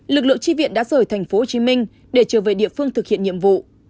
lực lượng tri viện đã rời tp hcm để trở về địa phương thực hiện nhiệm vụ